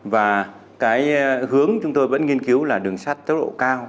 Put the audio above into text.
và cái hướng chúng tôi vẫn nghiên cứu là đường sắt tốc độ cao